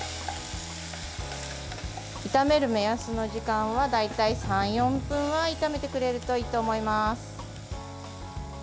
炒める目安の時間は大体３４分は炒めてくれるといいと思います。